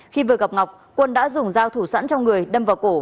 khi vừa gặp ngọc quân đã dùng dao thủ sẵn trong người đâm vào cổ